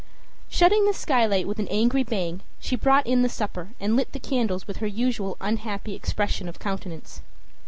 Shutting the skylight with an angry bang, she brought in the supper and lit the candles with her usual unhappy expression of countenance.